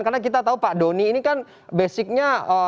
karena kita tahu pak doni ini kan basicnya